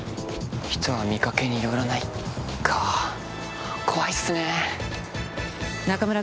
人は見かけによらないか怖いっすね